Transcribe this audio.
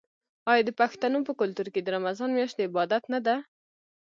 آیا د پښتنو په کلتور کې د رمضان میاشت د عبادت نه ده؟